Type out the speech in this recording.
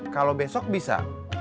kalau besok bisa